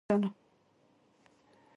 د تاریکي راتلونکي د روښانولو په هلوځلو.